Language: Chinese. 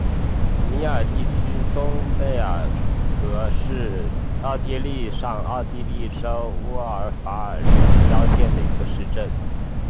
米尔地区松贝格是奥地利上奥地利州乌尔法尔城郊县的一个市镇。